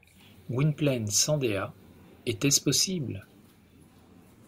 Gwynplaine sans Dea, était-ce possible?